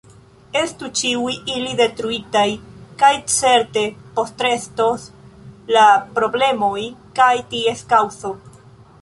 Estu ĉiuj ili detruitaj, kaj certe postrestos la problemoj kaj ties kaŭzo.